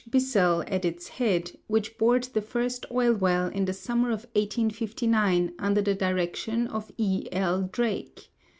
Bissell at its head, which bored the first oil well in the summer of 1859 under the direction of E. L. Drake.